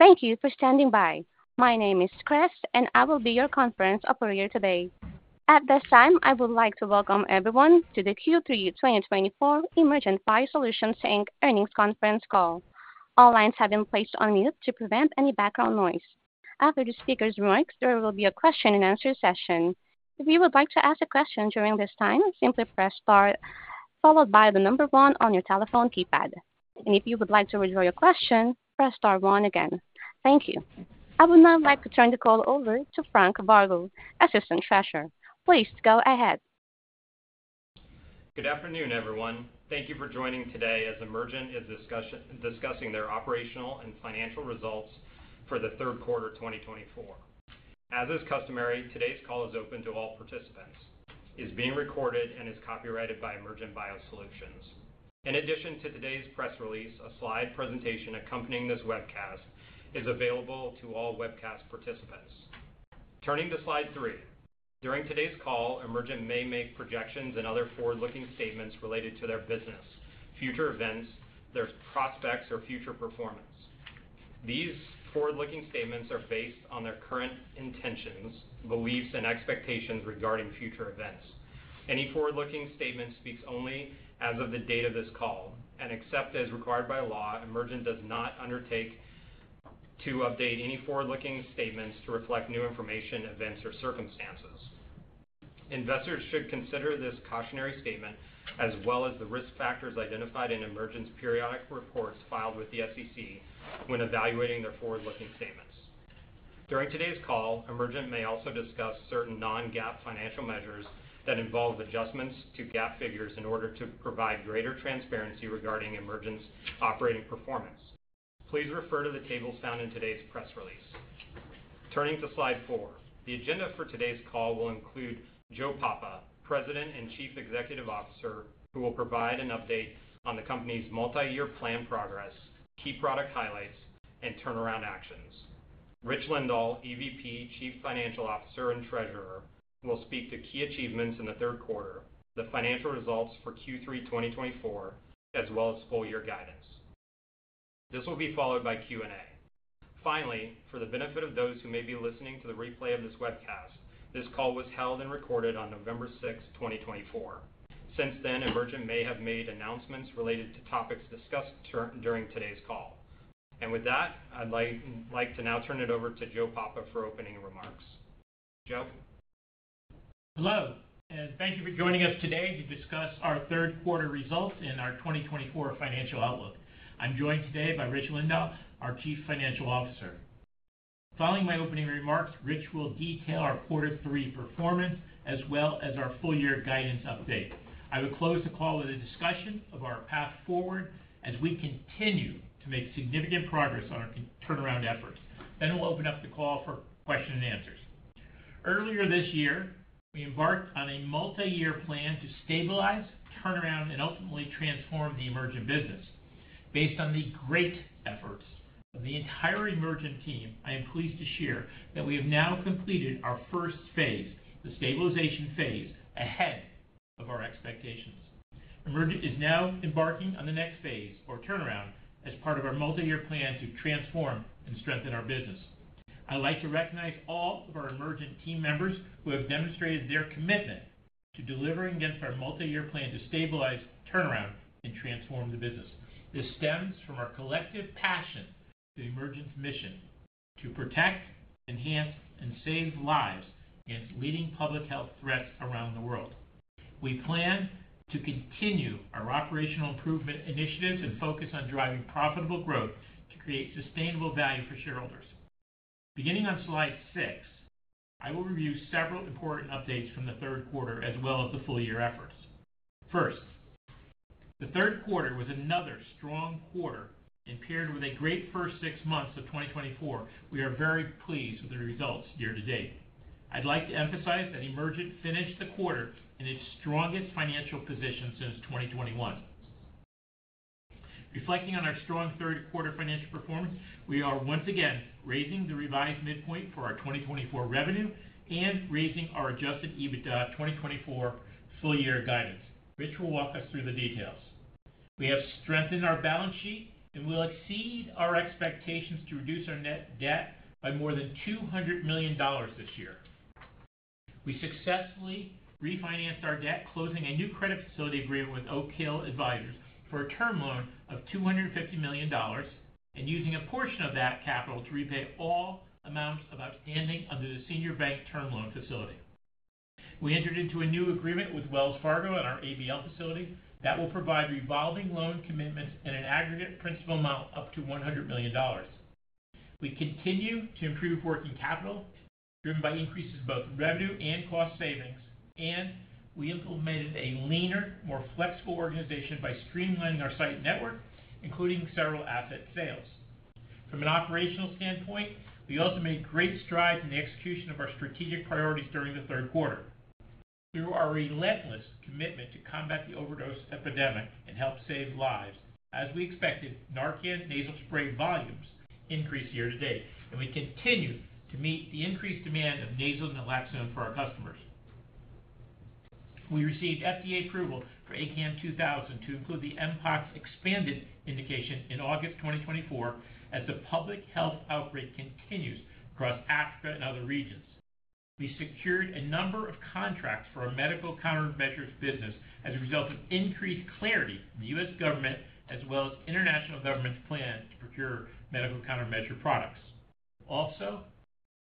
Thank you for standing by. My name is Chris, and I will be your conference operator today. At this time, I would like to welcome everyone to the Q3 2024 Emergent BioSolutions Inc. earnings conference call. All lines have been placed on mute to prevent any background noise. After the speaker's remarks, there will be a Q&A session. If you would like to ask a question during this time, simply press star, followed by the number one on your telephone keypad. And if you would like to withdraw your question, press star one again. Thank you. I would now like to turn the call over to Frank Vargo, Assistant Treasurer. Please go ahead. Good afternoon, everyone. Thank you for joining today as Emergent is discussing their operational and financial results for the Q3 2024. As is customary, today's call is open to all participants. It is being recorded and is copyrighted by Emergent BioSolutions. In addition to today's press release, a slide presentation accompanying this webcast is available to all webcast participants. Turning to slide three, during today's call, Emergent may make projections and other forward-looking statements related to their business, future events, their prospects, or future performance. These forward-looking statements are based on their current intentions, beliefs, and expectations regarding future events. Any forward-looking statement speaks only as of the date of this call, and except as required by law, Emergent does not undertake to update any forward-looking statements to reflect new information, events, or circumstances. Investors should consider this cautionary statement as well as the risk factors identified in Emergent's periodic reports filed with the SEC when evaluating their forward-looking statements. During today's call, Emergent may also discuss certain non-GAAP financial measures that involve adjustments to GAAP figures in order to provide greater transparency regarding Emergent's operating performance. Please refer to the tables found in today's press release. Turning to slide four, the agenda for today's call will include Joe Papa, President and Chief Executive Officer, who will provide an update on the company's multi-year plan progress, key product highlights, and turnaround actions. Rich Lindahl, EVP, Chief Financial Officer and Treasurer, will speak to key achievements in the Q3, the financial results for Q3 2024, as well as full-year guidance. This will be followed by Q&A. Finally, for the benefit of those who may be listening to the replay of this webcast, this call was held and recorded on November 6, 2024. Since then, Emergent may have made announcements related to topics discussed during today's call. And with that, I'd like to now turn it over to Joe Papa for opening remarks. Joe? Hello, and thank you for joining us today to discuss our Q3 results and our 2024 financial outlook. I'm joined today by Rich Lindahl, our Chief Financial Officer. Following my opening remarks, Rich will detail our quarter-three performance as well as our full-year guidance update. I will close the call with a discussion of our path forward as we continue to make significant progress on our turnaround efforts. Then we'll open up the call for questions and answers. Earlier this year, we embarked on a multi-year plan to stabilize, turn around, and ultimately transform the Emergent business. Based on the great efforts of the entire Emergent team, I am pleased to share that we have now completed our first phase, the stabilization phase, ahead of our expectations. Emergent is now embarking on the next phase, or turnaround, as part of our multi-year plan to transform and strengthen our business. I'd like to recognize all of our Emergent team members who have demonstrated their commitment to delivering against our multi-year plan to stabilize, turn around, and transform the business. This stems from our collective passion for Emergent's mission to protect, enhance, and save lives against leading public health threats around the world. We plan to continue our operational improvement initiatives and focus on driving profitable growth to create sustainable value for shareholders. Beginning on slide six, I will review several important updates from the Q3 as well as the full-year efforts. First, the Q3 was another strong quarter, and paired with a great first six months of 2024, we are very pleased with the results year to date. I'd like to emphasize that Emergent finished the quarter in its strongest financial position since 2021. Reflecting on our strong Q3 financial performance, we are once again raising the revised midpoint for our 2024 revenue and raising our Adjusted EBITDA 2024 full-year guidance. Rich will walk us through the details. We have strengthened our balance sheet and will exceed our expectations to reduce our net debt by more than $200 million this year. We successfully refinanced our debt, closing a new credit facility agreement with Oak Hill Advisors for a term loan of $250 million and using a portion of that capital to repay all amounts of outstanding under the senior bank term loan facility. We entered into a new agreement with Wells Fargo and our ABL facility that will provide revolving loan commitments and an aggregate principal amount up to $100 million. We continue to improve working capital driven by increases in both revenue and cost savings, and we implemented a leaner, more flexible organization by streamlining our site network, including several asset sales. From an operational standpoint, we also made great strides in the execution of our strategic priorities during the Q3. Through our relentless commitment to combat the overdose epidemic and help save lives, as we expected, Narcan Nasal Spray volumes increased year to date, and we continue to meet the increased demand of nasal naloxone for our customers. We received FDA approval for ACAM2000 to include the Mpox expanded indication in August 2024 as the public health outbreak continues across Africa and other regions. We secured a number of contracts for our medical countermeasures business as a result of increased clarity from the U.S. government as well as international government's plan to procure medical countermeasure products. Also,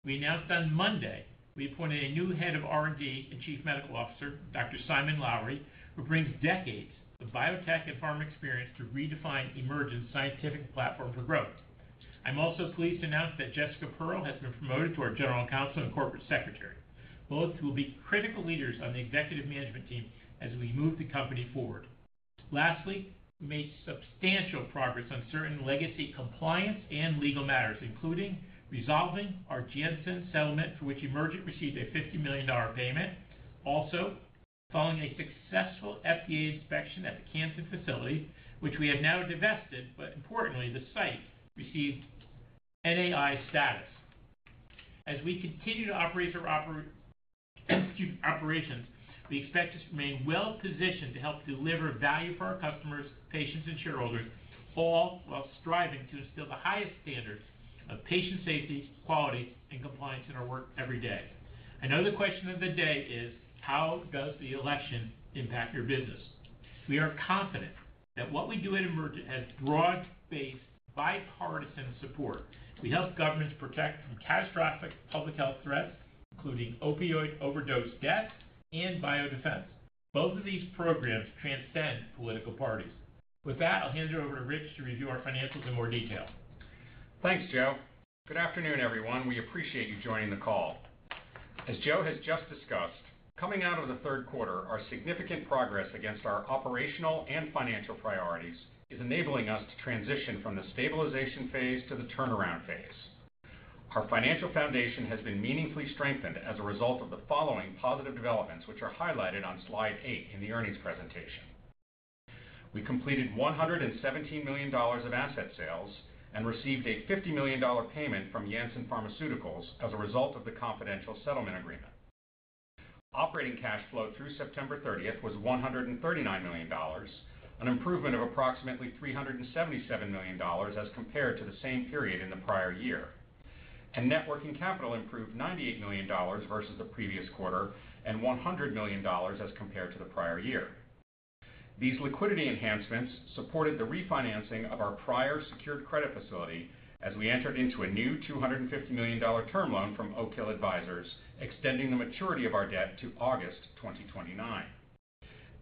we announced on Monday we appointed a new head of R&D and Chief Medical Officer, Dr. Simon Lowery, who brings decades of biotech and pharma experience to redefine Emergent's scientific platform for growth. I'm also pleased to announce that Jessica Pearl has been promoted to our General Counsel and Corporate Secretary. Both will be critical leaders on the executive management team as we move the company forward. Lastly, we made substantial progress on certain legacy compliance and legal matters, including resolving our Janssen settlement for which Emergent received a $50 million payment. Also, following a successful FDA inspection at the Canton facility, which we have now divested, but importantly, the site received NAI status. As we continue to operate our operations, we expect to remain well-positioned to help deliver value for our customers, patients, and shareholders, all while striving to instill the highest standards of patient safety, quality, and compliance in our work every day. Another question of the day is, how does the election impact your business? We are confident that what we do at Emergent has broad-based bipartisan support. We help governments protect from catastrophic public health threats, including opioid overdose deaths and biodefense. Both of these programs transcend political parties. With that, I'll hand it over to Rich to review our financials in more detail. Thanks, Joe. Good afternoon, everyone. We appreciate you joining the call. As Joe has just discussed, coming out of the Q3, our significant progress against our operational and financial priorities is enabling us to transition from the stabilization phase to the turnaround phase. Our financial foundation has been meaningfully strengthened as a result of the following positive developments, which are highlighted on slide eight in the earnings presentation. We completed $117 million of asset sales and received a $50 million payment from Janssen Pharmaceuticals as a result of the confidential settlement agreement. Operating cash flow through September 30th was $139 million, an improvement of approximately $377 million as compared to the same period in the prior year, and net working capital improved $98 million versus the previous quarter and $100 million as compared to the prior year. These liquidity enhancements supported the refinancing of our prior secured credit facility as we entered into a new $250 million term loan from Oak Hill Advisors, extending the maturity of our debt to August 2029,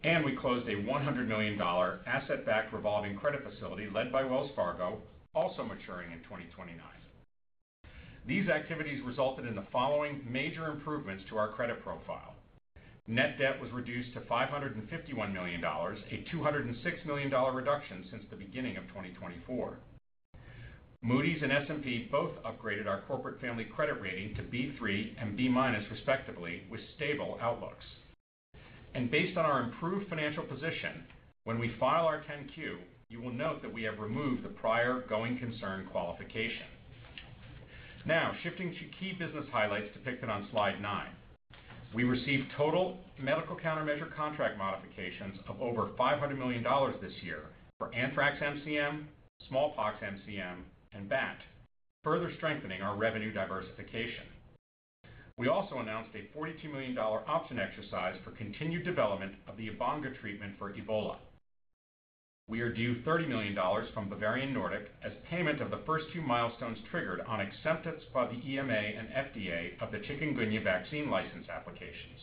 and we closed a $100 million asset-backed revolving credit facility led by Wells Fargo, also maturing in 2029. These activities resulted in the following major improvements to our credit profile. Net debt was reduced to $551 million, a $206 million reduction since the beginning of 2024. Moody's and S&P both upgraded our corporate family credit rating to B3 and B- respectively with stable outlooks, and based on our improved financial position, when we file our 10-Q, you will note that we have removed the prior going concern qualification. Now, shifting to key business highlights depicted on slide nine, we received total medical countermeasure contract modifications of over $500 million this year for Anthrax MCM, Smallpox MCM, and BAT, further strengthening our revenue diversification. We also announced a $42 million option exercise for continued development of the Ebanga treatment for Ebola. We are due $30 million from Bavarian Nordic as payment of the first two milestones triggered on acceptance by the EMA and FDA of the chikungunya vaccine license applications.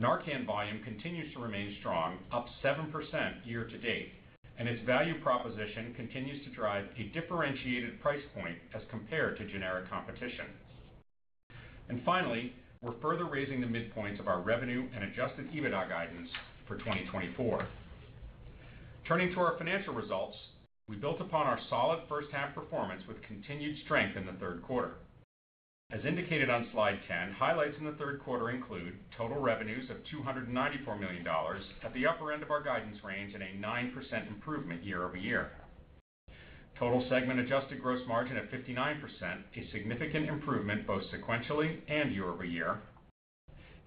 Narcan volume continues to remain strong, up 7% year to date, and its value proposition continues to drive a differentiated price point as compared to generic competition, and finally, we're further raising the midpoints of our revenue and adjusted EBITDA guidance for 2024. Turning to our financial results, we built upon our solid first-half performance with continued strength in the Q3. As indicated on slide 10, highlights in the Q3 include total revenues of $294 million at the upper end of our guidance range and a 9% improvement year over year. Total segment adjusted gross margin at 59% is a significant improvement both sequentially and year over year.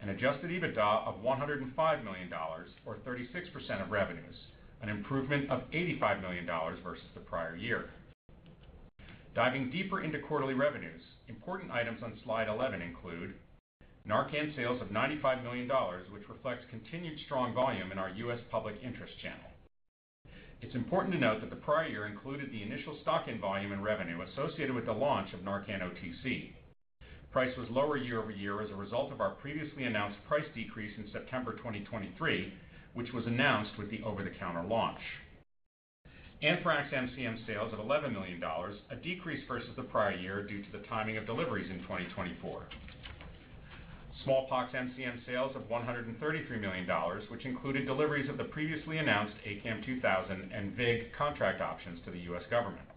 An adjusted EBITDA of $105 million, or 36% of revenues, an improvement of $85 million versus the prior year. Diving deeper into quarterly revenues, important items on slide 11 include Narcan sales of $95 million, which reflects continued strong volume in our U.S. public interest channel. It's important to note that the prior year included the initial stock-in volume and revenue associated with the launch of Narcan OTC. Price was lower year over year as a result of our previously announced price decrease in September 2023, which was announced with the over-the-counter launch. Anthrax MCM sales of $11 million, a decrease versus the prior year due to the timing of deliveries in 2024. Smallpox MCM sales of $133 million, which included deliveries of the previously announced ACAM2000 and VIG contract options to the U.S. government.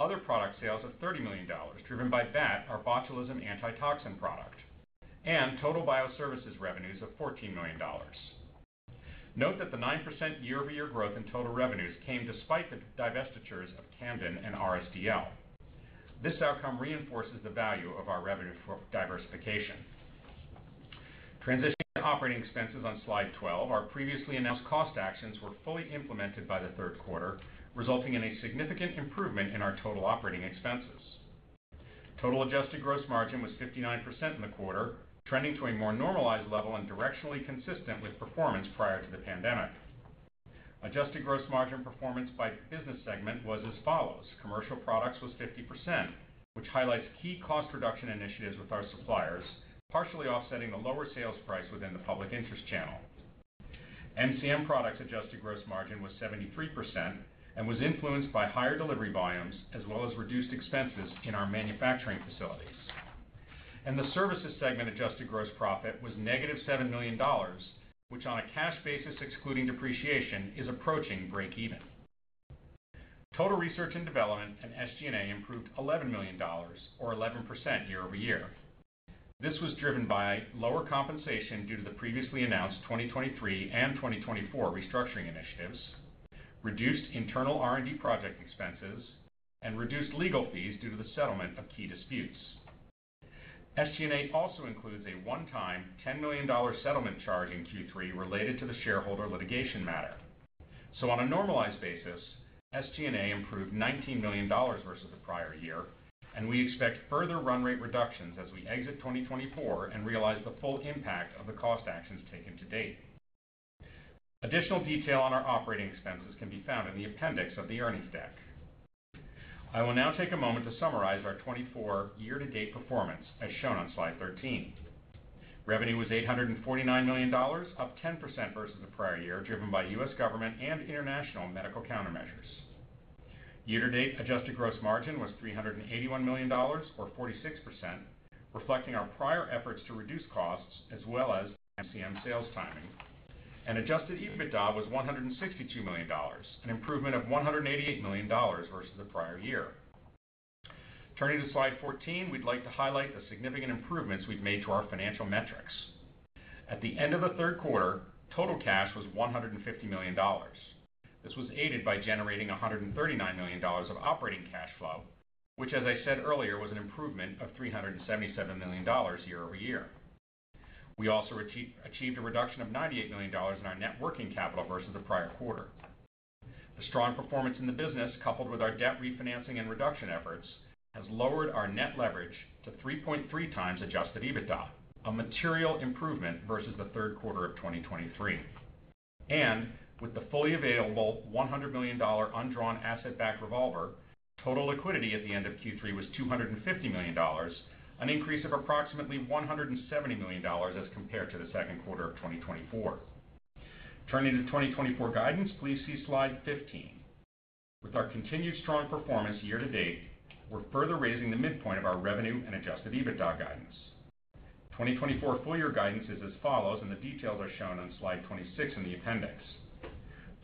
Other product sales of $30 million driven by BAT, our botulism antitoxin product, and total bioservices revenues of $14 million. Note that the 9% year-over-year growth in total revenues came despite the divestitures of Camden and RSDL. This outcome reinforces the value of our revenue diversification. Transitioning to operating expenses on slide 12, our previously announced cost actions were fully implemented by the Q3, resulting in a significant improvement in our total operating expenses. Total adjusted gross margin was 59% in the quarter, trending to a more normalized level and directionally consistent with performance prior to the pandemic. Adjusted gross margin performance by business segment was as follows. Commercial products was 50%, which highlights key cost reduction initiatives with our suppliers, partially offsetting the lower sales price within the public interest channel. MCM products adjusted gross margin was 73% and was influenced by higher delivery volumes as well as reduced expenses in our manufacturing facilities, and the services segment adjusted gross profit was negative $7 million, which on a cash basis excluding depreciation is approaching break-even. Total research and development and SG&A improved $11 million, or 11% year over year. This was driven by lower compensation due to the previously announced 2023 and 2024 restructuring initiatives, reduced internal R&D project expenses, and reduced legal fees due to the settlement of key disputes. SG&A also includes a one-time $10 million settlement charge in Q3 related to the shareholder litigation matter. On a normalized basis, SG&A improved $19 million versus the prior year, and we expect further run rate reductions as we exit 2024 and realize the full impact of the cost actions taken to date. Additional detail on our operating expenses can be found in the appendix of the earnings deck. I will now take a moment to summarize our 2024 year-to-date performance as shown on slide 13. Revenue was $849 million, up 10% versus the prior year, driven by U.S. government and international medical countermeasures. Year-to-date adjusted gross margin was $381 million, or 46%, reflecting our prior efforts to reduce costs as well as MCM sales timing. Adjusted EBITDA was $162 million, an improvement of $188 million versus the prior year. Turning to slide 14, we'd like to highlight the significant improvements we've made to our financial metrics. At the end of the Q3, total cash was $150 million. This was aided by generating $139 million of operating cash flow, which, as I said earlier, was an improvement of $377 million year over year. We also achieved a reduction of $98 million in our net working capital versus the prior quarter. The strong performance in the business, coupled with our debt refinancing and reduction efforts, has lowered our net leverage to 3.3 times Adjusted EBITDA, a material improvement versus the Q3 of 2023, and with the fully available $100 million undrawn asset-backed revolver, total liquidity at the end of Q3 was $250 million, an increase of approximately $170 million as compared to the Q2 of 2024. Turning to 2024 guidance, please see slide 15. With our continued strong performance year-to-date, we're further raising the midpoint of our revenue and Adjusted EBITDA guidance. 2024 full-year guidance is as follows, and the details are shown on slide 26 in the appendix.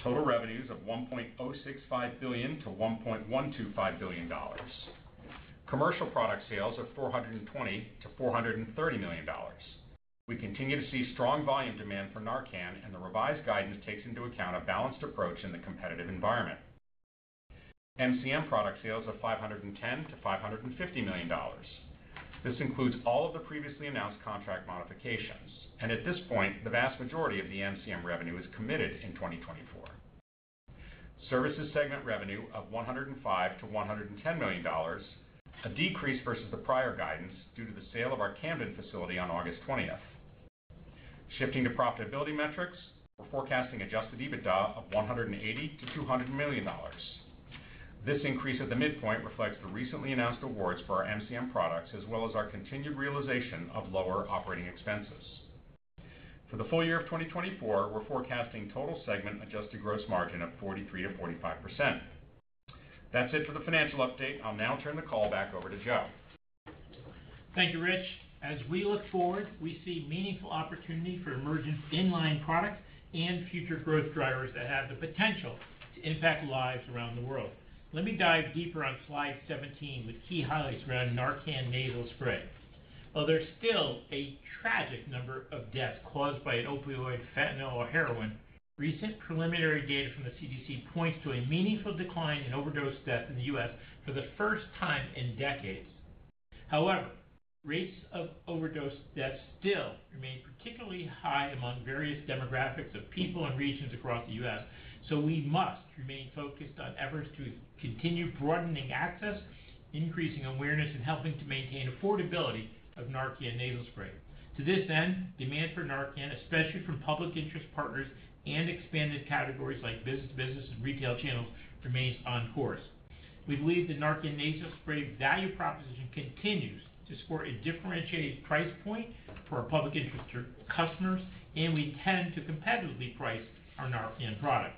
Total revenues of $1.065 billion to 1.125 billion. Commercial product sales of $420 million to 430 million. We continue to see strong volume demand for Narcan, and the revised guidance takes into account a balanced approach in the competitive environment. MCM product sales of $510 million to 550 million. This includes all of the previously announced contract modifications, and at this point, the vast majority of the MCM revenue is committed in 2024. Services segment revenue of $105 million to 110 million, a decrease versus the prior guidance due to the sale of our Camden facility on August 20th. Shifting to profitability metrics, we're forecasting adjusted EBITDA of $180 million to 200 million. This increase at the midpoint reflects the recently announced awards for our MCM products as well as our continued realization of lower operating expenses. For the full year of 2024, we're forecasting total segment adjusted gross margin of 43% to 45%. That's it for the financial update. I'll now turn the call back over to Joe. Thank you, Rich. As we look forward, we see meaningful opportunity for Emergent inline products and future growth drivers that have the potential to impact lives around the world. Let me dive deeper on slide 17 with key highlights around Narcan Nasal Spray. While there's still a tragic number of deaths caused by an opioid, fentanyl, or heroin, recent preliminary data from the CDC points to a meaningful decline in overdose deaths in the U.S. for the first time in decades. However, rates of overdose deaths still remain particularly high among various demographics of people and regions across the U.S., so we must remain focused on efforts to continue broadening access, increasing awareness, and helping to maintain affordability of Narcan Nasal Spray. To this end, demand for Narcan, especially from public interest partners and expanded categories like business-to-business and retail channels, remains on course. We believe the Narcan Nasal Spray value proposition continues to score a differentiated price point for our public interest customers, and we intend to competitively price our Narcan product.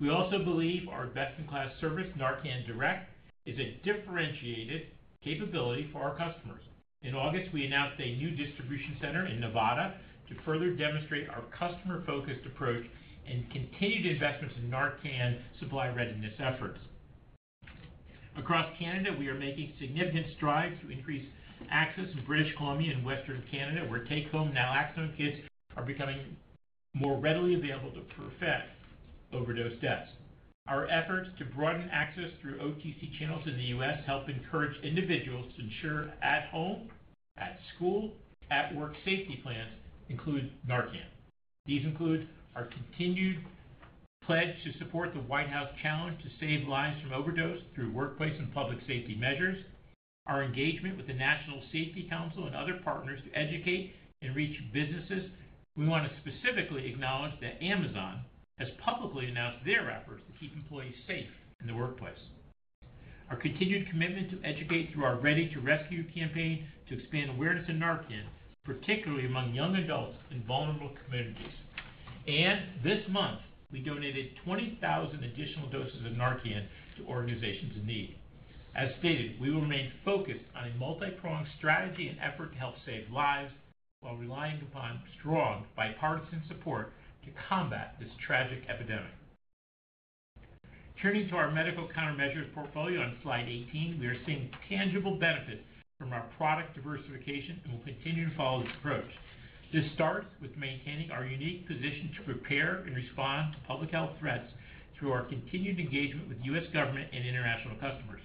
We also believe our best-in-class service, Narcan Direct, is a differentiated capability for our customers. In August, we announced a new distribution center in Nevada to further demonstrate our customer-focused approach and continued investments in Narcan supply readiness efforts. Across Canada, we are making significant strides to increase access in British Columbia and Western Canada, where take-home, now-accessible kits are becoming more readily available to prevent overdose deaths. Our efforts to broaden access through OTC channels in the U.S. help encourage individuals to ensure at-home, at-school, at-work safety plans include Narcan. These include our continued pledge to support the White House challenge to save lives from overdose through workplace and public safety measures, our engagement with the National Safety Council and other partners to educate and reach businesses. We want to specifically acknowledge that Amazon has publicly announced their efforts to keep employees safe in the workplace. Our continued commitment to educate through our Ready to Rescue campaign to expand awareness of Narcan, particularly among young adults in vulnerable communities. And this month, we donated 20,000 additional doses of Narcan to organizations in need. As stated, we will remain focused on a multi-pronged strategy and effort to help save lives while relying upon strong bipartisan support to combat this tragic epidemic. Turning to our medical countermeasures portfolio on slide 18, we are seeing tangible benefits from our product diversification and will continue to follow this approach. This starts with maintaining our unique position to prepare and respond to public health threats through our continued engagement with U.S. government and international customers.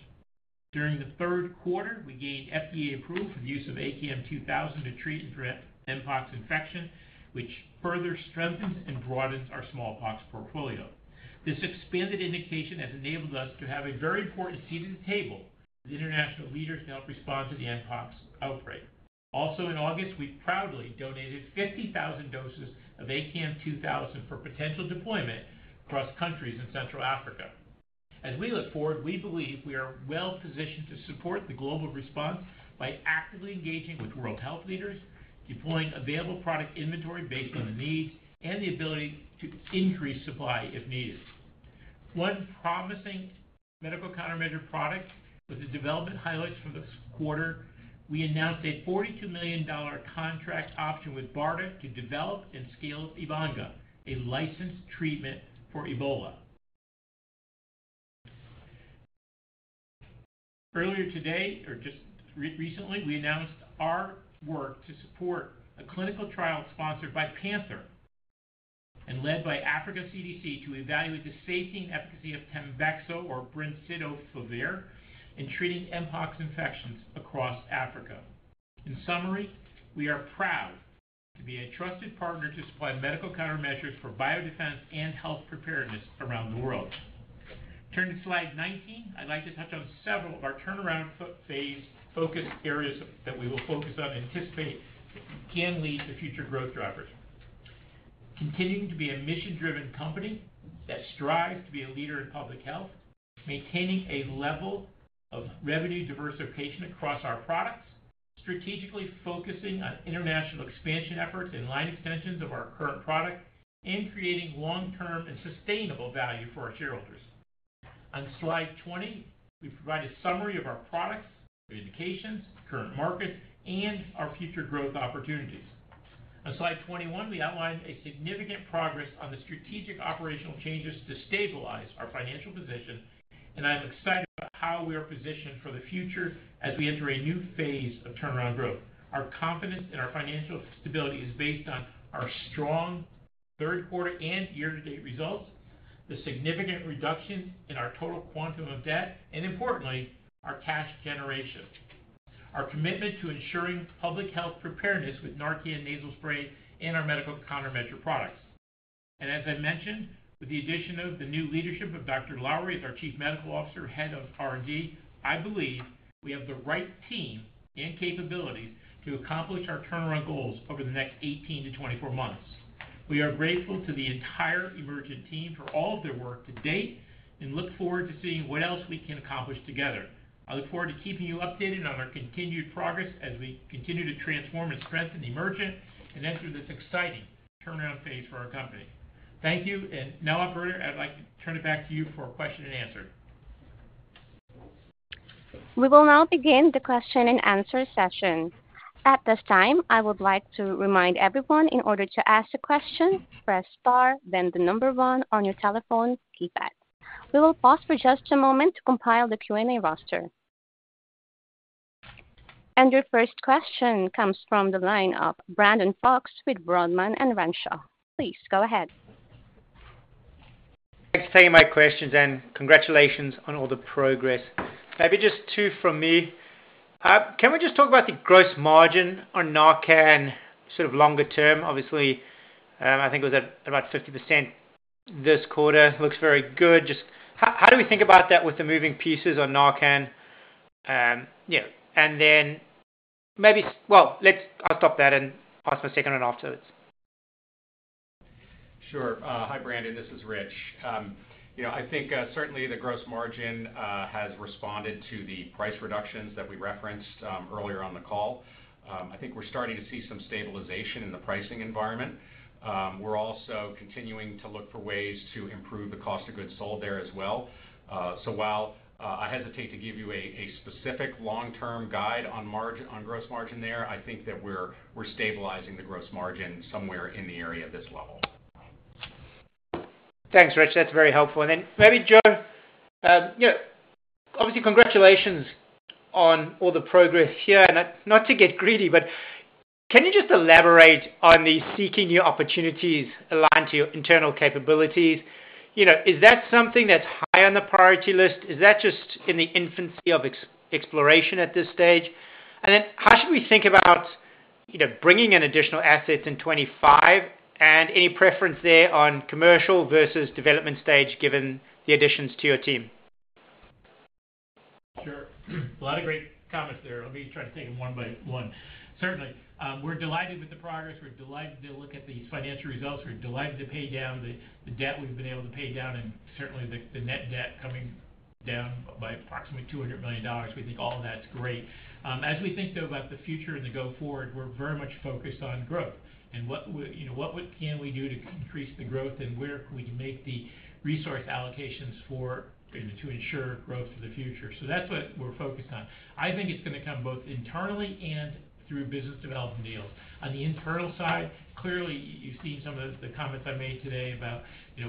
During the Q3, we gained FDA approval for the use of ACAM2000 to treat and prevent Mpox infection, which further strengthens and broadens our Smallpox portfolio. This expanded indication has enabled us to have a very important seat at the table with international leaders to help respond to the Mpox outbreak. Also, in August, we proudly donated 50,000 doses of ACAM2000 for potential deployment across countries in Central Africa. As we look forward, we believe we are well-positioned to support the global response by actively engaging with world health leaders, deploying available product inventory based on the needs and the ability to increase supply if needed. One promising medical countermeasure product was a development highlight from this quarter. We announced a $42 million contract option with BARDA to develop and scale Ebanga, a licensed treatment for Ebola. Earlier today, or just recently, we announced our work to support a clinical trial sponsored by PANTHER and led by Africa CDC to evaluate the safety and efficacy of Tembexa, or Brincidofovir, in treating Mpox infections across Africa. In summary, we are proud to be a trusted partner to supply medical countermeasures for biodefense and health preparedness around the world. Turning to slide 19, I'd like to touch on several of our Turnaround Phase focus areas that we will focus on and anticipate can lead to future growth drivers. Continuing to be a mission-driven company that strives to be a leader in public health, maintaining a level of revenue diversification across our products, strategically focusing on international expansion efforts and line extensions of our current product, and creating long-term and sustainable value for our shareholders. On slide 20, we provide a summary of our products, indications, current markets, and our future growth opportunities. On slide 21, we outline significant progress on the strategic operational changes to stabilize our financial position, and I'm excited about how we are positioned for the future as we enter a new phase of turnaround growth. Our confidence in our financial stability is based on our strong Q3 and year-to-date results, the significant reduction in our total quantum of debt, and importantly, our cash generation. Our commitment to ensuring public health preparedness with Narcan Nasal Spray and our medical countermeasures products. As I mentioned, with the addition of the new leadership of Dr. Lowery as our Chief Medical Officer, Head of R&D, I believe we have the right team and capabilities to accomplish our Turnaround goals over the next 18 to 24 months. We are grateful to the entire Emergent team for all of their work to date and look forward to seeing what else we can accomplish together. I look forward to keeping you updated on our continued progress as we continue to transform and strengthen Emergent and enter this exciting Turnaround Phase for our company. Thank you. Now, Operator, I'd like to turn it back to you for a question and answer. We will now begin the question and answer session. At this time, I would like to remind everyone in order to ask a question, press star, then the number one on your telephone keypad. We will pause for just a moment to compile the Q&A roster, and your first question comes from the line of Brandon Folkes with Rodman & Renshaw. Please go ahead. Thanks for taking my questions, and congratulations on all the progress. Maybe just two from me. Can we just talk about the gross margin on Narcan sort of longer term? Obviously, I think it was at about 50% this quarter. Looks very good. Just how do we think about that with the moving pieces on Narcan? Yeah. And then maybe, well, let's I'll stop that and ask my second one afterwards. Sure. Hi, Brandon. This is Rich. You know, I think certainly the gross margin has responded to the price reductions that we referenced earlier on the call. I think we're starting to see some stabilization in the pricing environment. We're also continuing to look for ways to improve the cost of goods sold there as well. So while I hesitate to give you a specific long-term guide on gross margin there, I think that we're stabilizing the gross margin somewhere in the area of this level. Thanks, Rich. That's very helpful. And then maybe, Joe, you know, obviously, congratulations on all the progress here. And not to get greedy, but can you just elaborate on the seeking new opportunities aligned to your internal capabilities? You know, is that something that's high on the priority list? Is that just in the infancy of exploration at this stage? And then how should we think about, you know, bringing in additional assets in 2025 and any preference there on commercial versus development stage given the additions to your team? Sure. A lot of great comments there. I'll be trying to think of one by one. Certainly, we're delighted with the progress. We're delighted to look at these financial results. We're delighted to pay down the debt we've been able to pay down, and certainly the net debt coming down by approximately $200 million. We think all of that's great. As we think, though, about the future and the go forward, we're very much focused on growth. And what can we do to increase the growth and where we can make the resource allocations to ensure growth for the future? So that's what we're focused on. I think it's going to come both internally and through business development deals. On the internal side, clearly, you've seen some of the comments I made today about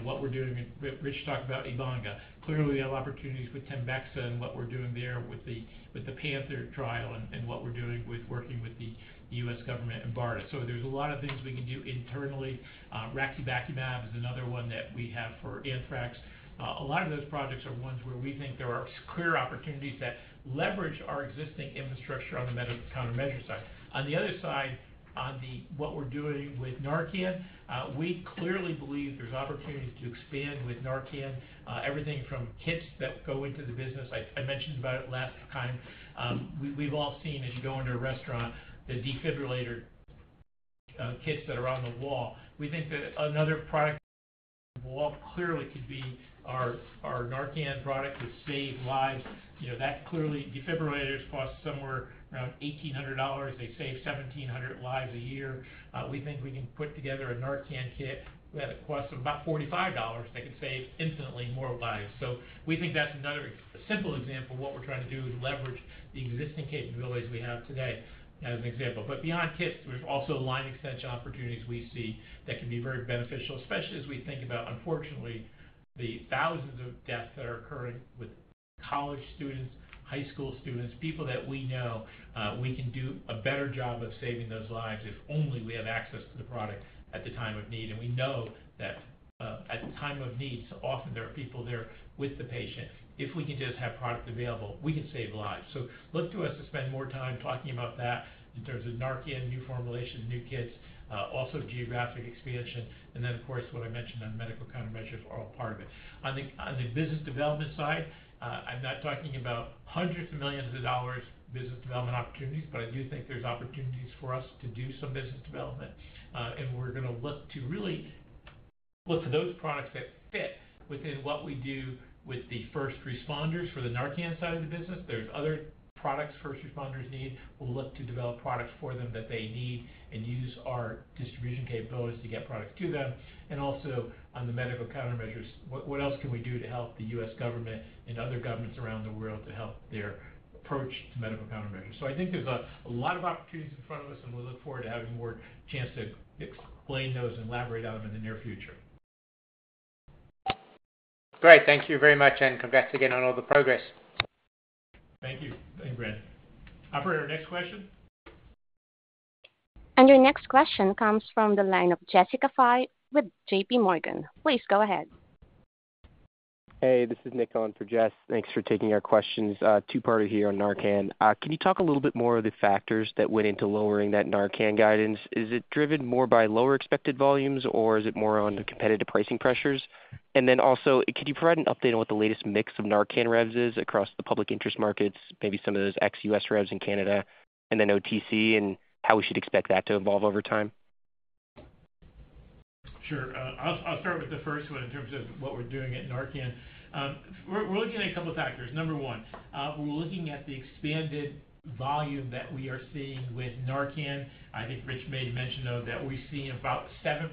what we're doing. Rich talked about Ebanga. Clearly, we have opportunities with Tembexa and what we're doing there with the PANTHER trial and what we're doing with working with the U.S. government and BARDA. So there's a lot of things we can do internally. Raxibacumab is another one that we have for Anthrax. A lot of those projects are ones where we think there are clear opportunities that leverage our existing infrastructure on the medical countermeasure side. On the other side, on what we're doing with Narcan, we clearly believe there's opportunities to expand with Narcan, everything from kits that go into the business. I mentioned about it last time. We've all seen, as you go into a restaurant, the defibrillator kits that are on the wall. We think that another product on the wall clearly could be our Narcan product to save lives. You know, that clearly, defibrillators cost somewhere around $1,800. They save 1,700 lives a year. We think we can put together a Narcan kit that costs about $45 that could save infinitely more lives. So we think that's another simple example of what we're trying to do is leverage the existing capabilities we have today, as an example. But beyond kits, there's also line extension opportunities we see that can be very beneficial, especially as we think about, unfortunately, the thousands of deaths that are occurring with college students, high school students, people that we know we can do a better job of saving those lives if only we have access to the product at the time of need. And we know that at the time of need, so often there are people there with the patient. If we can just have product available, we can save lives. Look to us to spend more time talking about that in terms of Narcan, new formulations, new kits, also geographic expansion. Of course, what I mentioned on medical countermeasures are all part of it. On the business development side, I'm not talking about hundreds of millions of dollars business development opportunities, but I do think there's opportunities for us to do some business development. We're going to look to really look for those products that fit within what we do with the first responders for the Narcan side of the business. There's other products first responders need. We'll look to develop products for them that they need and use our distribution capabilities to get products to them. Also on the medical countermeasures, what else can we do to help the U.S. government and other governments around the world to help their approach to medical countermeasures? So I think there's a lot of opportunities in front of us, and we look forward to having more chance to explain those and elaborate on them in the near future. Great. Thank you very much, and congrats again on all the progress. Thank you. Thank you, Brandon. Operator, next question. Your next question comes from the line of Jessica Fye with J.P. Morgan. Please go ahead. Hey, this is Nick on for Jess. Thanks for taking our questions. Two-parter here on Narcan. Can you talk a little bit more of the factors that went into lowering that Narcan guidance? Is it driven more by lower expected volumes, or is it more on the competitive pricing pressures? And then also, could you provide an update on what the latest mix of Narcan revs is across the public interest markets, maybe some of those ex-U.S. revs in Canada, and then OTC, and how we should expect that to evolve over time? Sure. I'll start with the first one in terms of what we're doing at Narcan. We're looking at a couple of factors. Number one, we're looking at the expanded volume that we are seeing with Narcan. I think Rich made mention, though, that we're seeing about 7%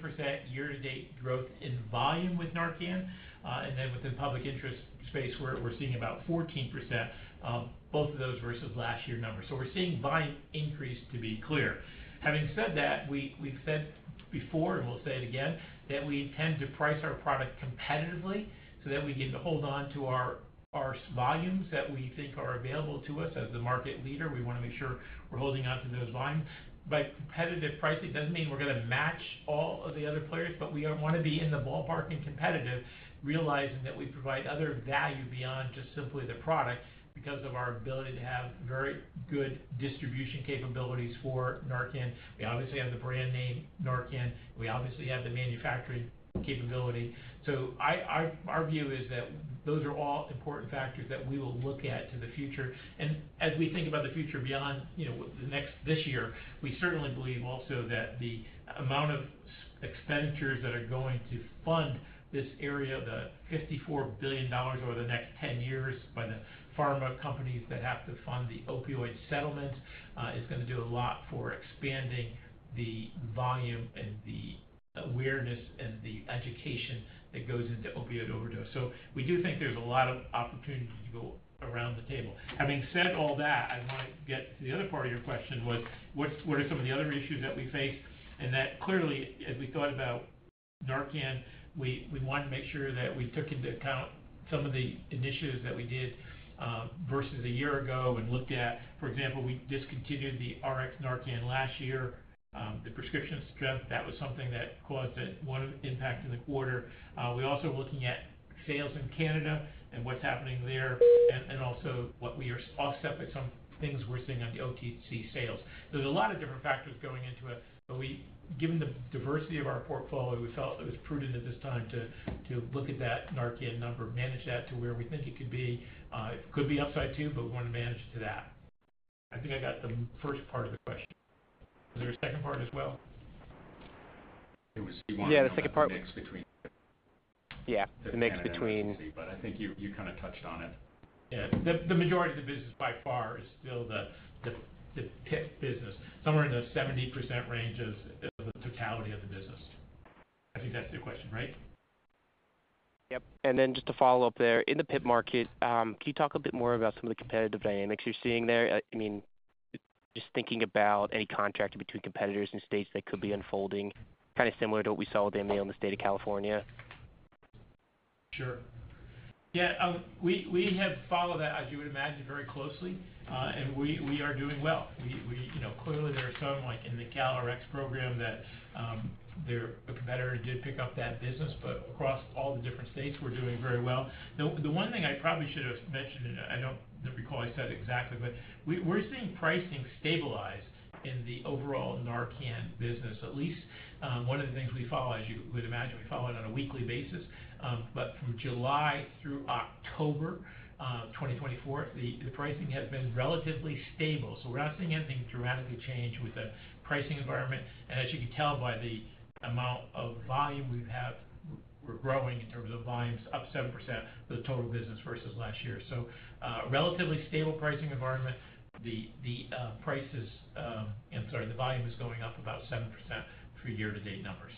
year-to-date growth in volume with Narcan. And then within the public interest space, we're seeing about 14%, both of those versus last year's numbers. So we're seeing volume increase, to be clear. Having said that, we've said before, and we'll say it again, that we intend to price our product competitively so that we can hold on to our volumes that we think are available to us as the market leader. We want to make sure we're holding on to those volumes. By competitive pricing, it doesn't mean we're going to match all of the other players, but we don't want to be in the ballpark and competitive, realizing that we provide other value beyond just simply the product because of our ability to have very good distribution capabilities for Narcan. We obviously have the brand name Narcan. We obviously have the manufacturing capability. So our view is that those are all important factors that we will look at to the future. And as we think about the future beyond, you know, this year, we certainly believe also that the amount of expenditures that are going to fund this area, the $54 billion over the next 10 years by the pharma companies that have to fund the opioid settlement, is going to do a lot for expanding the volume and the awareness and the education that goes into opioid overdose. So we do think there's a lot of opportunity to go around the table. Having said all that, I want to get to the other part of your question, which was, what are some of the other issues that we face, and that clearly, as we thought about Narcan, we wanted to make sure that we took into account some of the initiatives that we did versus a year ago and looked at. For example, we discontinued the Rx Narcan last year. The prescription strength, that was something that caused one impact in the quarter. We're also looking at sales in Canada and what's happening there, and also what we are offset by some things we're seeing on the OTC sales. There's a lot of different factors going into it, but given the diversity of our portfolio, we felt it was prudent at this time to look at that Narcan number, manage that to where we think it could be. It could be upside too, but we want to manage to that. I think I got the first part of the question. Was there a second part as well? It was. Yeah, the second part. Yeah, the mix between. But I think you kind of touched on it. Yeah. The majority of the business by far is still the PIP business, somewhere in the 70% range of the totality of the business. I think that's the question, right? Yep. And then just to follow up there, in the PIP market, can you talk a bit more about some of the competitive dynamics you're seeing there? I mean, just thinking about any contracting between competitors in states that could be unfolding, kind of similar to what we saw with Amneal in the state of California? Sure. Yeah. We have followed that, as you would imagine, very closely, and we are doing well. Clearly, there are some, like in the CalRx program, that their competitor did pick up that business. But across all the different states, we're doing very well. The one thing I probably should have mentioned, and I don't recall I said exactly, but we're seeing pricing stabilize in the overall Narcan business. At least one of the things we follow, as you would imagine, we follow it on a weekly basis. But from July through October 2024, the pricing has been relatively stable. So we're not seeing anything dramatically change with the pricing environment. And as you can tell by the amount of volume we have, we're growing in terms of volumes, up 7% of the total business versus last year. So relatively stable pricing environment. The price is, I'm sorry, the volume is going up about 7% for year-to-date numbers.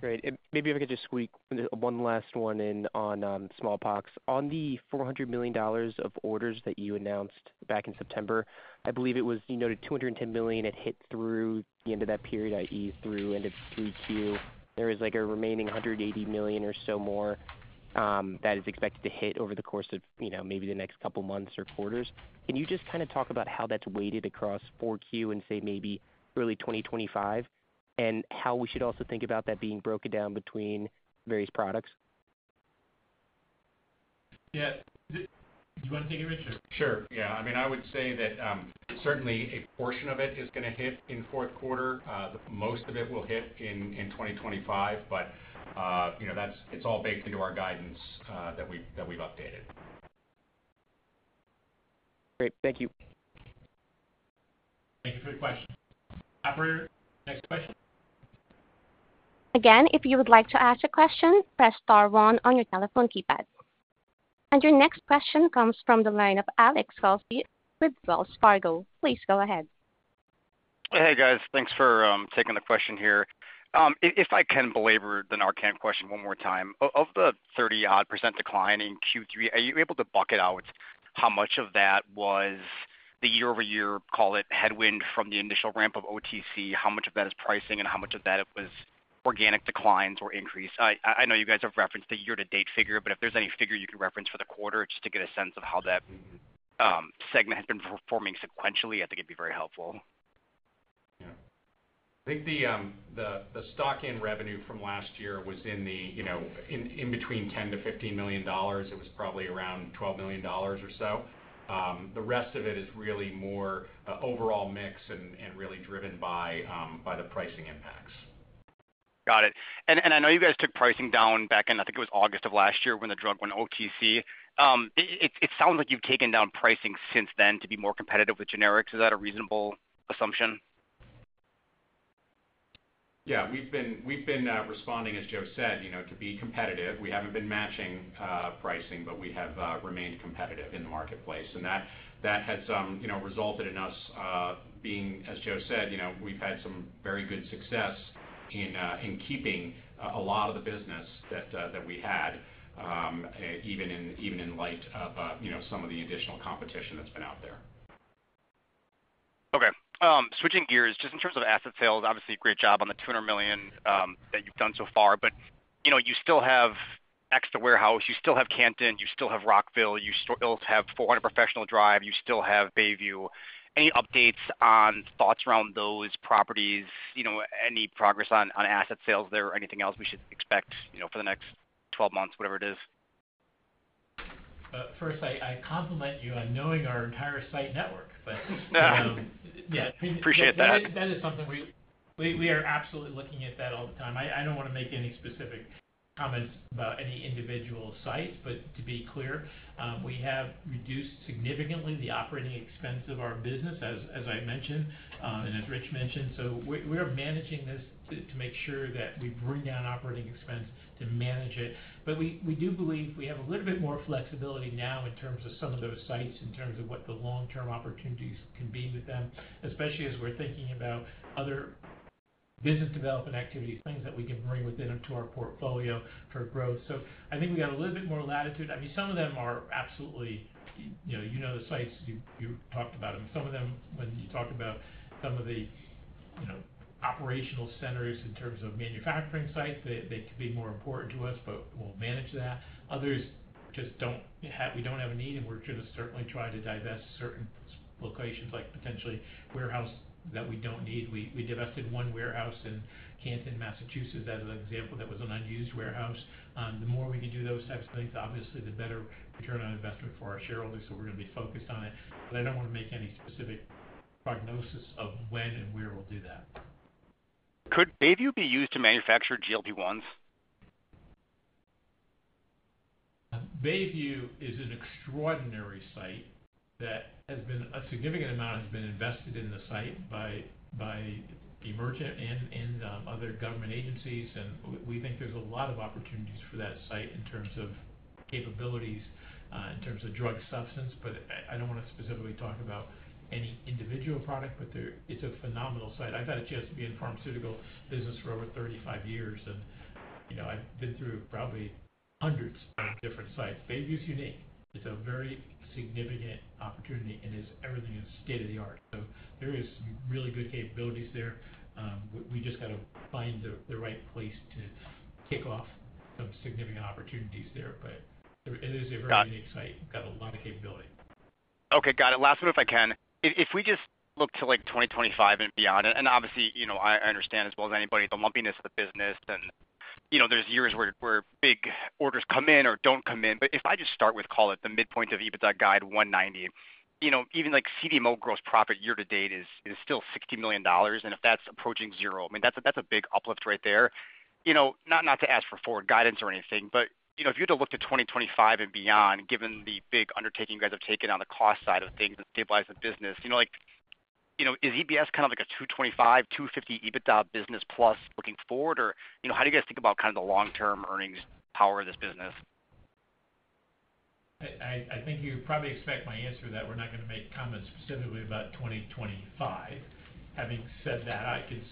Great. Maybe if I could just squeak one last one in on smallpox. On the $400 million of orders that you announced back in September, I believe it was, you noted $210 million had hit through the end of that period, i.e., through end of Q3. There is like a remaining $180 million or so more that is expected to hit over the course of, you know, maybe the next couple of months or quarters. Can you just kind of talk about how that's weighted across 4Q and say maybe early 2025, and how we should also think about that being broken down between various products? Yeah. Do you want to take it, Rich? Sure. Yeah. I mean, I would say that certainly a portion of it is going to hit in Q4. Most of it will hit in 2025, but, you know, that's, it's all baked into our guidance that we've updated. Great. Thank you. Thank you for the question. Operator, next question. Again, if you would like to ask a question, press star one on your telephone keypad, and your next question comes from the line of Alex Falsby with Wells Fargo. Please go ahead. Hey, guys. Thanks for taking the question here. If I can belabor the Narcan question one more time, of the 30-odd% decline in Q3, are you able to bucket out how much of that was the year-over-year, call it headwind from the initial ramp of OTC, how much of that is pricing, and how much of that was organic declines or increase? I know you guys have referenced the year-to-date figure, but if there's any figure you can reference for the quarter, just to get a sense of how that segment has been performing sequentially, I think it'd be very helpful. Yeah. I think the stocking revenue from last year was in the, you know, in between $10 million to 15 million. It was probably around $12 million or so. The rest of it is really more overall mix and really driven by the pricing impacts. Got it. And I know you guys took pricing down back in, I think it was August of last year when the drug went OTC. It sounds like you've taken down pricing since then to be more competitive with generics. Is that a reasonable assumption? Yeah. We've been responding, as Joe said, you know, to be competitive. We haven't been matching pricing, but we have remained competitive in the marketplace, and that has resulted in us being, as Joe said, you know, we've had some very good success in keeping a lot of the business that we had, even in light of some of the additional competition that's been out there. Okay. Switching gears, just in terms of asset sales, obviously great job on the $200 million that you've done so far, but you still have extra warehouse. You still have Canton. You still have Rockville. You still have 400 Professional Drive. You still have Bayview. Any updates on thoughts around those properties? You know, any progress on asset sales there or anything else we should expect, you know, for the next 12 months, whatever it is? First, I compliment you on knowing our entire site network, but. Yeah. Appreciate that. That is something we are absolutely looking at that all the time. I don't want to make any specific comments about any individual sites, but to be clear, we have reduced significantly the operating expense of our business, as I mentioned, and as Rich mentioned. So we're managing this to make sure that we bring down operating expense to manage it. But we do believe we have a little bit more flexibility now in terms of some of those sites, in terms of what the long-term opportunities can be with them, especially as we're thinking about other business development activities, things that we can bring within them to our portfolio for growth. So I think we got a little bit more latitude. I mean, some of them are absolutely, you know, you know the sites you talked about them. Some of them, when you talk about some of the, you know, operational centers in terms of manufacturing sites, they could be more important to us, but we'll manage that. Others just don't have—we don't have a need, and we're going to certainly try to divest certain locations, like potentially warehouse that we don't need. We divested one warehouse in Canton, Massachusetts, as an example, that was an unused warehouse. The more we can do those types of things, obviously, the better return on investment for our shareholders. So we're going to be focused on it. But I don't want to make any specific prognosis of when and where we'll do that. Could Bayview be used to manufacture GLP-1s? Bayview is an extraordinary site. A significant amount has been invested in the site by Emergent and other government agencies. We think there's a lot of opportunities for that site in terms of capabilities, in terms of drug substance. I don't want to specifically talk about any individual product, but it's a phenomenal site. I've had a chance to be in pharmaceutical business for over 35 years, and, you know, I've been through probably hundreds of different sites. Bayview is unique. It's a very significant opportunity, and everything is state-of-the-art. There are some really good capabilities there. We just got to find the right place to kick off some significant opportunities there. It is a very unique site. We've got a lot of capability. Okay. Got it. Last one, if I can. If we just look to like 2025 and beyond, and obviously, you know, I understand as well as anybody the lumpiness of the business, and, you know, there's years where big orders come in or don't come in. But if I just start with, call it, the midpoint of EBITDA guide 190, you know, even like CDMO gross profit year-to-date is still $60 million, and if that's approaching zero, I mean, that's a big uplift right there. You know, not to ask for forward guidance or anything, but, you know, if you had to look to 2025 and beyond, given the big undertaking you guys have taken on the cost side of things and stabilizing the business, you know, like, you know, is EBS kind of like a 225, 250 EBITDA business plus looking forward, or, you know, how do you guys think about kind of the long-term earnings power of this business? I think you probably expect my answer that we're not going to make comments specifically about 2025. Having said that, I can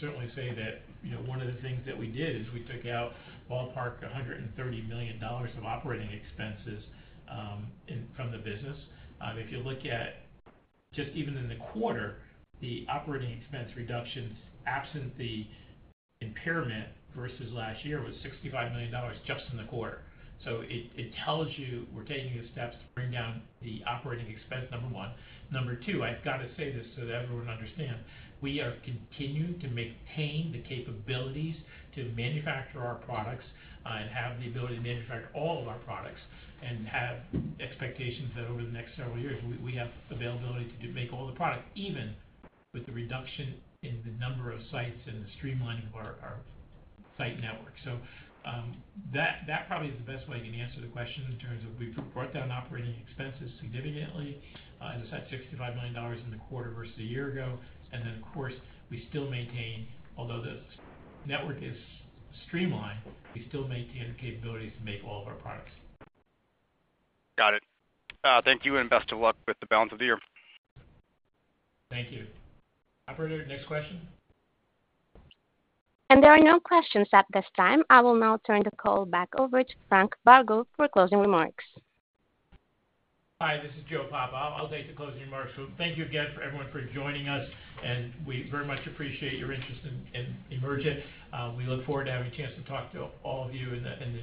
certainly say that, you know, one of the things that we did is we took out ballpark $130 million of operating expenses from the business. If you look at just even in the quarter, the operating expense reductions absent the impairment versus last year was $65 million just in the quarter. So it tells you we're taking the steps to bring down the operating expense, number one. Number two, I've got to say this so that everyone understands. We are continuing to maintain the capabilities to manufacture our products and have the ability to manufacture all of our products and have expectations that over the next several years, we have availability to make all the products, even with the reduction in the number of sites and the streamlining of our site network, so that probably is the best way I can answer the question in terms of we've brought down operating expenses significantly. As I said, $65 million in the quarter versus a year ago, and then, of course, we still maintain, although the network is streamlined, we still maintain the capabilities to make all of our products. Got it. Thank you and best of luck with the balance of the year. Thank you. Operator, next question. There are no questions at this time. I will now turn the call back over to Frank Vargo for closing remarks. Hi, this is Joe Papa. I'll take the closing remarks. So thank you again for everyone for joining us, and we very much appreciate your interest in Emergent. We look forward to having a chance to talk to all of you in the.